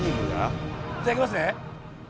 じゃあいきますね。